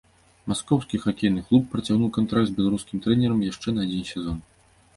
Маскоўскі хакейны клуб працягнуў кантракт з беларускім трэнерам яшчэ на адзін сезон.